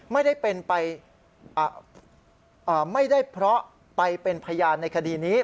ไม่ได้เพราะไปเป็นพยานในคดีนี้